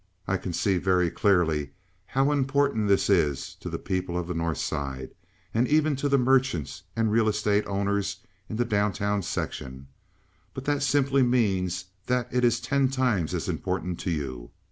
I see very clearly how important this is to the people of the North Side, and even to the merchants and real estate owners in the down town section; but that simply means that it is ten times as important to you.